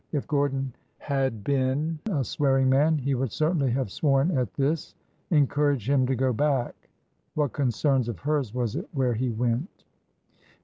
[If Gordon had been a swearing man, he would certainly have sworn at this. ' Encourage him to go back !''' What concern of hers was it where he went?